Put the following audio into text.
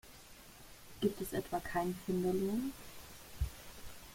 Gibt es etwa keinen Finderlohn?